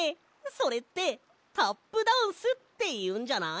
それってタップダンスっていうんじゃない？